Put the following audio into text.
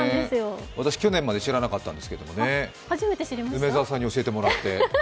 私、去年まで知らなかったんですけどもね梅澤さんに教えてもらって。